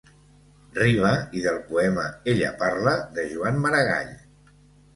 Riba i del poema «Ella parla» de Joan Maragall.